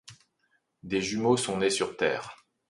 Des jumeaux sont nés sur Terre.